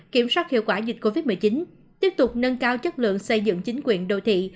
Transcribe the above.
kiểm soát hiệu quả dịch covid một mươi chín tiếp tục nâng cao chất lượng xây dựng chính quyền đô thị